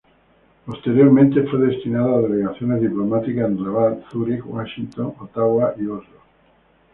Posteriormente fue destinado a delegaciones diplomáticas en Rabat, Zúrich, Washington, Ottawa y Oslo.